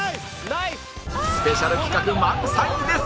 スペシャル企画満載です！